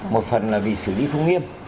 một phần là vì xử lý không nghiêm